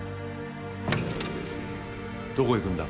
どこ行くんだ？